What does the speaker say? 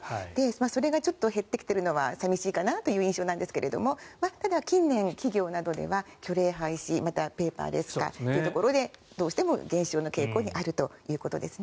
それがちょっと減ってきているのは寂しいかなという印象なんですがただ、近年企業などでは虚礼廃止またはペーパーレス化ということでどうしても減少の傾向にあるということですね。